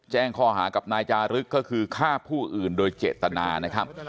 แจ้งข้อหากับนายจารึกก็คือฆ่าผู้อื่นโดยเจตนานะครับ